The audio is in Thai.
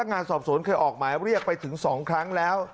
งานสอบสวนเคยออกหมายเรียกไปถึง๒ครั้งแล้ว